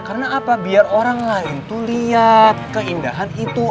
karena apa biar orang lain tuh liat keindahan itu